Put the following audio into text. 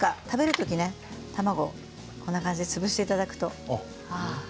食べるときにね卵をこんな感じで潰していただくと。